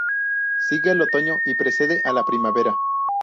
Sigue al otoño y precede a la primavera.